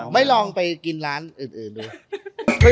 ไม่ลองไปกินร้านอื่นดู